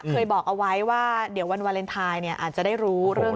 เคยบอกเอาไว้ว่าเดี๋ยววันวาเลนไทยเนี่ยอาจจะได้รู้เรื่อง